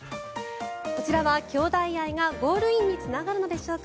こちらは兄妹愛がゴールインにつながるのでしょうか。